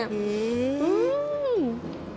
うん！